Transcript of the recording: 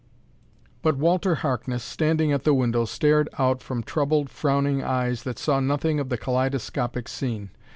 But Walter Harkness, standing at the window, stared out from troubled, frowning eyes that saw nothing of the kaleidoscopic scene.